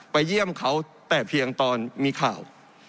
เยี่ยมเขาแต่เพียงตอนมีข่าว